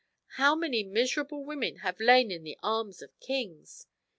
how many miserable women have lain in the arms of kings?